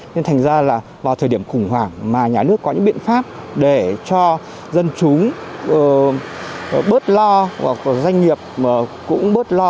nên thành ra là vào thời điểm khủng hoảng mà nhà nước có những biện pháp để cho dân chúng bớt lo hoặc doanh nghiệp cũng bớt lo lắng